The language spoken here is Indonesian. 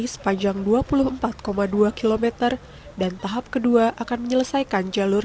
sepanjang dua puluh empat dua km dan tahap kedua akan menyelesaikan jalur